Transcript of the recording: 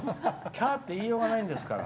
キャーって言いようがないんですから。